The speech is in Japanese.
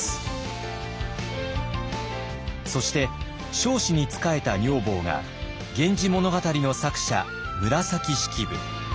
そして彰子に仕えた女房が「源氏物語」の作者紫式部。